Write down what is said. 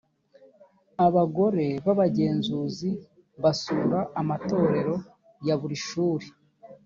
abagore b’abagenzuzi basura amatorero ya buri shuri